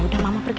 yaudah mama pergi